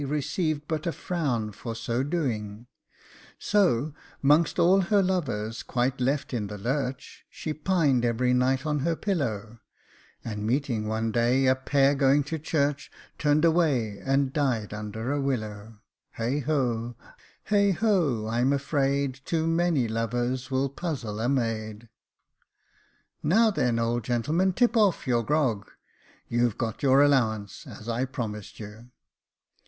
Received but a frown for so doing ; So, 'mongst all her lovers, quite left in the lurch) She pined every night on her pillow ; And meeting one day a pair going to church, Turned away, and died under a willow. Heigho ! I am afraid Too many lovers will puzzle a maid. '* Now, then, old gentleman, tip oif your grog. You've got your allowance, as I promised you."